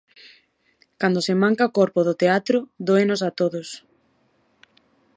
"Cando se manca o corpo do teatro dóenos a todos".